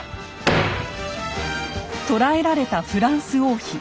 捕らえられたフランス王妃。